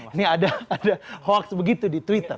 ini ada hoax begitu di twitter